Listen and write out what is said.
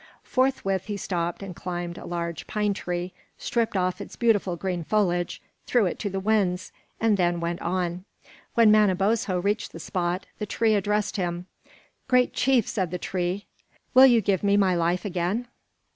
Forthwith he stopped and climbed a large pine tree, stripped off its beautiful green foliage, threw it to the winds, and then went on. When Manabozho reached the spot, the tree addressed him: "Great chief," said the tree, "will you give me my life again?